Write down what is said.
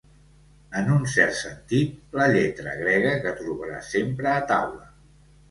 En un cert sentit, la lletra grega que trobaràs sempre a taula.